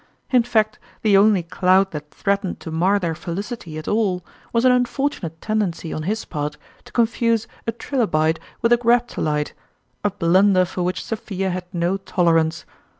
In fact, the only cloud that threat ened to mar their felicity at all was an unfortu nate tendency on his part to confuse a trilobite with a graptolite, a blunder for which Sophia had no tolerance.